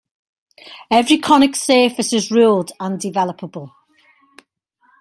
Every conic surface is ruled and developable.